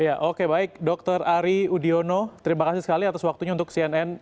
ya oke baik dokter ari udiono terima kasih sekali atas waktunya untuk cnn